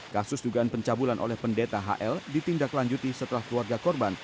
kasus dugaan pencabulan oleh pendeta hl ditindaklanjuti setelah keluarga korban